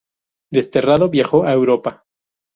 Desterrado, viajó a Europa.